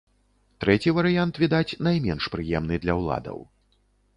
Трэці варыянт, відаць, найменш прыемны для ўладаў.